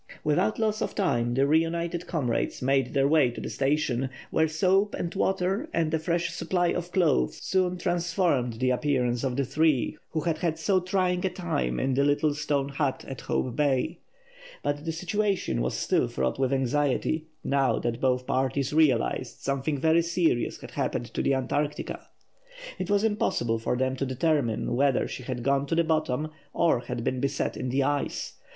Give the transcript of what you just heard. Without loss of time the reunited comrades made their way to the station, where soap and water and a fresh supply of clothes soon transformed the appearance of the three who had had so trying a time in the little stone hut at Hope Bay. But the situation was still fraught with anxiety, now that both parties realised something very serious had happened to the Antarctica. It was impossible for them to determine whether she had gone to the bottom, or had been beset in the ice.